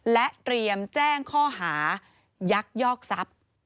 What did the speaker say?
และเตรียมแจ้งข้อหายักยอกทรัพย์